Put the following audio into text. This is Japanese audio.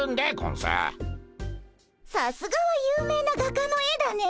さすがは有名な画家の絵だね。